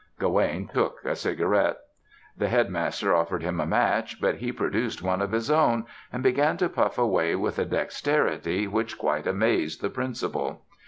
Gawaine took a cigarette. The Headmaster offered him a match, but he produced one of his own and began to puff away with a dexterity which quite amazed the principal.